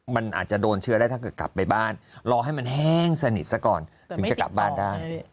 มันอาจจะโดนเชื้อได้ถ้าเกิดกลับไปบ้านรอให้มันแห้งสนิทซะก่อนถึงจะกลับบ้านได้